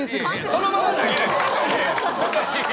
そのまま投げる。